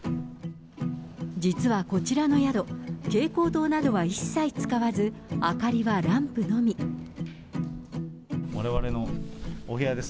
実はこちらの宿、蛍光灯などは一切使わず、われわれのお部屋です。